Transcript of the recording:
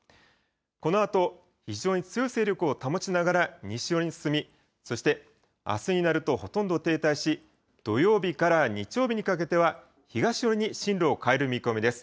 このあと、非常に強い勢力を保ちながら西寄りに進み、そしてあすになるとほとんど停滞し、土曜日から日曜日にかけては東寄りに進路を変える見込みです。